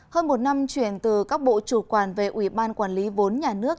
hơn một năm chuyển từ các bộ chủ quản về ủy ban quản lý vốn nhà nước